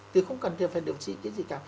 thì không cần phải điều trị cái gì cả